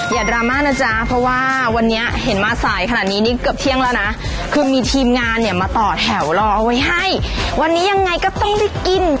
ดราม่านะจ๊ะเพราะว่าวันนี้เห็นมาสายขนาดนี้นี่เกือบเที่ยงแล้วนะคือมีทีมงานเนี่ยมาต่อแถวรอเอาไว้ให้วันนี้ยังไงก็ต้องได้กิน